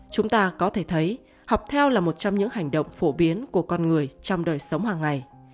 chúng ta có thể thấy học theo là một trong những hành động phổ biến của con người trong đời sống hàng ngày